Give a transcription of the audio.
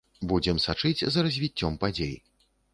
Будзем сачыць за развіццём падзей.